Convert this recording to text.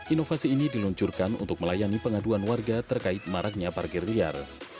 inovasi ini diluncurkan untuk melayani pengaduan warga terkait maraknya parkir liar